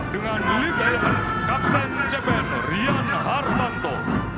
dengan lidah kakten cpn rian hartanto